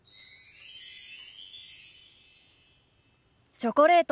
チョコレート。